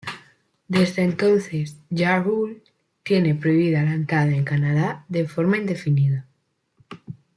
Desde entonces Ja Rule tiene prohibida la entrada en Canadá de forma indefinida.